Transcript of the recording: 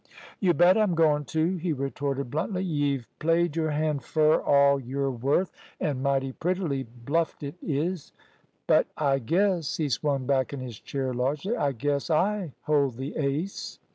"You bet I'm goin' to," he retorted bluntly. "Y've played your hand fur all you're worth, an' mighty prettily bluffed it is. But I guess" he swung back in his chair largely "I guess I hold the ace."